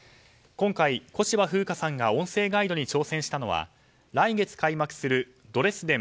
今回、小芝風花さんが音声ガイドに挑戦したのは来月開幕するドレスデン